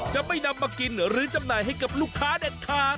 จะไม่นำมากินหรือจำหน่ายให้กับลูกค้าเด็ดขาด